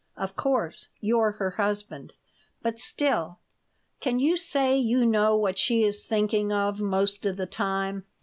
Of course you're her husband, but still can you say you know what she is thinking of most of the time?"